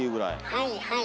はいはい。